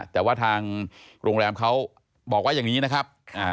แต่ว่าทางโรงแรมเขาบอกว่าอย่างนี้นะครับ